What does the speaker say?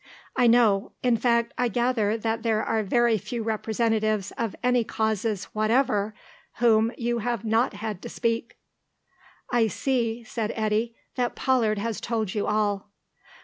"I know. In fact, I gather that there are very few representatives of any causes whatever whom you have not had to speak." "I see," said Eddy, "that Pollard has told you all."